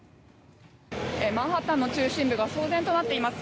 マンハッタンの中心部が騒然となっています。